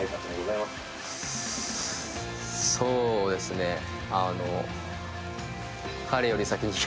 そうですねあの。